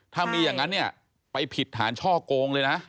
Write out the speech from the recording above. ถ้ามีอย่างนั้นเนี่ยไปผิดฐานช่อโกงเลยนะ